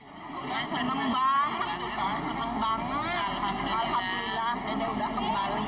selamat juga senang banget alhamdulillah dede udah kembali